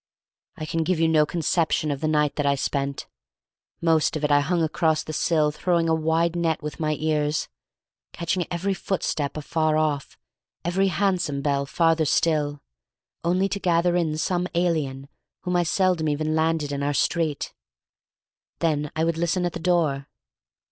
I can give you no conception of the night that I spent. Most of it I hung across the sill, throwing a wide net with my ears, catching every footstep afar off, every hansom bell farther still, only to gather in some alien whom I seldom even landed in our street. Then I would listen at the door.